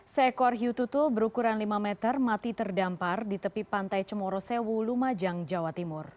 seekor hiu tutul berukuran lima meter mati terdampar di tepi pantai cemorosewu lumajang jawa timur